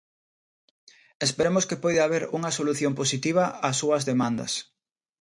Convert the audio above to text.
Esperemos que poida haber unha solución positiva ás súas demandas.